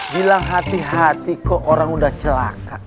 bilang hati hati kok orang udah celaka